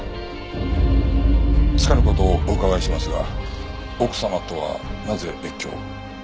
つかぬ事をお伺いしますが奥様とはなぜ別居を？